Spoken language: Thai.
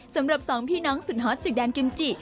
สำหรับสองพี่น้องสุดฮอตจากแดนกิมจิ